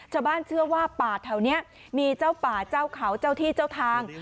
ชาวบ้านเชื่อว่าป่าแถวนี้มีเจ้าป่าเจ้าเขาเจ้าที่เจ้าทาง